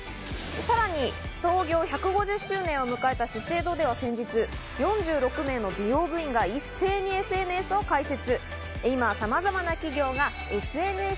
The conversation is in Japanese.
さらに創業１５０周年を迎えた資生堂では先日４６名の美容部員が一斉にＳＮＳを開設。